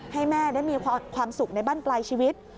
ให้แม่ได้มีความสุขในบ้านปลายชีวิต